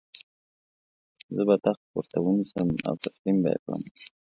زه به تخت ورته ونیسم او تسلیم به یې کړم.